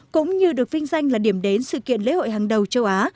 cũng như được vinh danh là điểm đến sự kiện lễ hội hàng đầu châu á